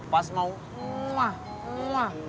pas mau muah muah